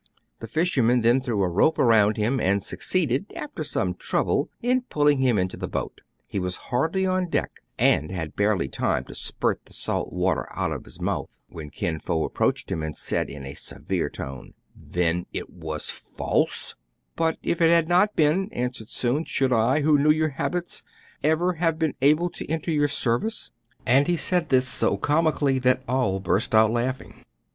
The fishermen then threw a rope around him, and succeeded, after some trouble, in pulling him into the boat. He was hardly on deck, and had barely time to spurt the salt water out of his mouth, when Kin Fo approached him, and said in a severe tone, —" Then it was false }" "But if it had not been," answered Soun, " should I, who knew your habits, ever have been able to enter your service }" And he said this so comically that all burst out laughing.